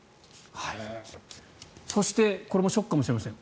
そして、これもショックかもしれません。